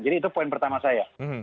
jadi itu poin pertama saya